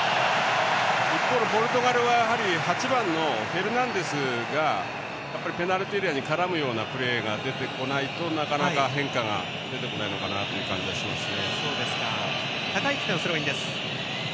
一方のポルトガルは８番のフェルナンデスがペナルティーエリアに絡むようなプレーが出てこないとなかなか変化が出てこないのかなという気はしますね。